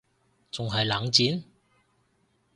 仲係冷戰????？